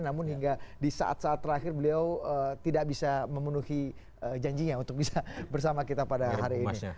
namun hingga di saat saat terakhir beliau tidak bisa memenuhi janjinya untuk bisa bersama kita pada hari ini